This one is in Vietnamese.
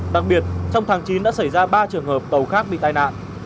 đặc biệt trong tháng chín đã xảy ra ba trường hợp tàu khác bị tai nạn